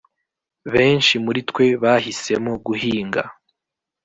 benshi muri twe bahisemo guhinga